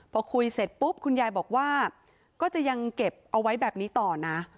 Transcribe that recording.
พอคุยเสร็จปุ๊บคุณยายบอกว่าก็จะยังเก็บเอาไว้แบบนี้ต่อนะ